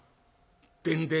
『でんでん』」。